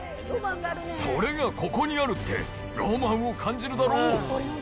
それがここにあるって、ロマンを感じるだろ。